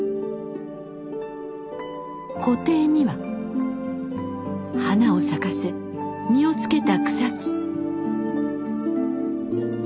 湖底には花を咲かせ実をつけた草木。